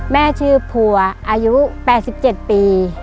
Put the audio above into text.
แม่ชื่อผัวอายุ๘๗ปี